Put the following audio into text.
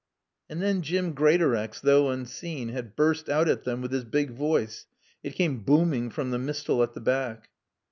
And then Jim Greatorex, though unseen, had burst out at them with his big voice. It came booming from the mistal at the back.